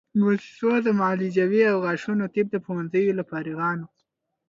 موسسو د معالجوي او غاښونو طب د پوهنځیو له فارغانو